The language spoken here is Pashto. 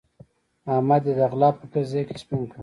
احمد يې د غلا په قضيه کې سپين کړ.